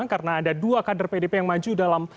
karena ada dua kader pdip yang maju dalam